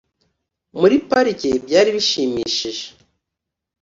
muri parike byari bishimishije.